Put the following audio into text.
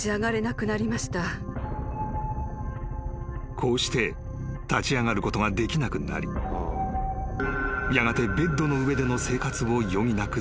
［こうして立ち上がることができなくなりやがてベッドの上での生活を余儀なくされることに］